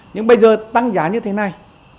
nhưng bây giờ tăng giá như thế này